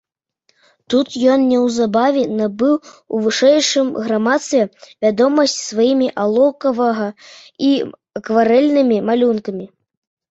Тут ён неўзабаве набыў у вышэйшым грамадстве вядомасць сваімі алоўкавага і акварэльнымі малюнкамі.